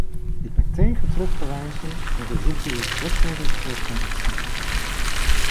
Ik ben tegen terugverwijzen en verzoek u het wetgevingsvoorstel in stemming te brengen.